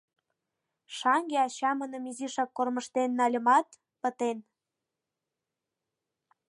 Шаҥге ачамыным изишак кормыжтен нальымат, пытен...